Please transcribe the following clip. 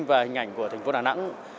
và hình ảnh của thành phố đà nẵng